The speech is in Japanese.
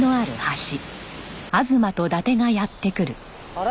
あれ？